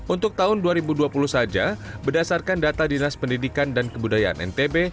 untuk tahun dua ribu dua puluh saja berdasarkan data dinas pendidikan dan kebudayaan ntb